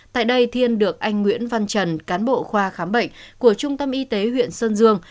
tại đây thiên được anh nguyễn văn trần cán bộ khoa khám bệnh của trung tâm y tế huyện sơn dương